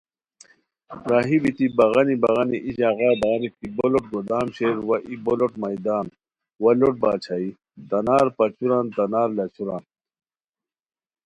راہی بیتی بغانی بغانی، ای ژاغا بغانی کی بو لوٹ گودام شیر وا ای بولوٹ میدان وا لوٹ باچھائی--- تنارپاچوران تنار لاچھوران